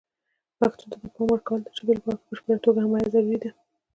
پښتو ته د پام ورکول د ژبې لپاره په بشپړه توګه حمایه ضروري ده.